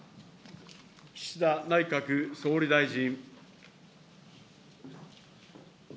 岸田内閣総理大臣。